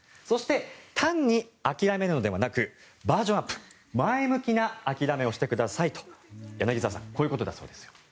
そして、単に諦めるのではなくバージョンアップ前向きな諦めをしてくださいと柳澤さんこういうことだそうですよ。